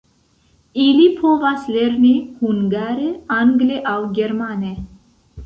Ili povas lerni hungare, angle aŭ germane.